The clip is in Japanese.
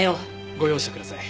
ご容赦ください。